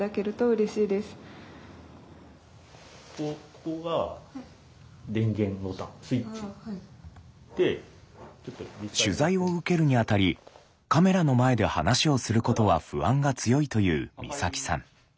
この作文は取材を受けるにあたりカメラの前で話をすることは不安が強いという光沙季さん。